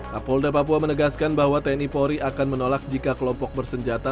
kapolda papua menegaskan bahwa tni polri akan menolak jika kelompok bersenjata